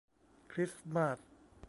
คริสต์มาส